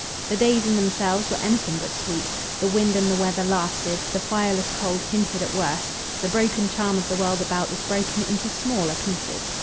The days in themselves were anything but sweet; the wind and the weather lasted, the fireless cold hinted at worse; the broken charm of the world about was broken into smaller pieces.